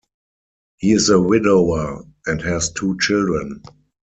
He is a widower and has two children.